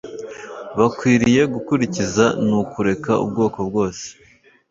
bakwiriye gukurikiza ni ukureka ubwoko bwose